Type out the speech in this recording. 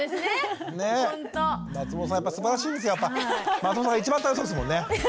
松本さんが一番楽しそうですもんね。